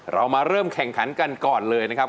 เรามาเริ่มแข่งขันกันก่อนเลยนะครับ